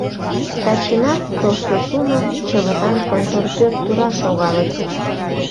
Старшина, Толстосумов, Чывытан контор пӧрт тура шогалыт.